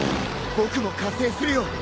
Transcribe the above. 僕も加勢するよ。